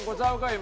今。